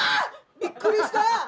びっくりした！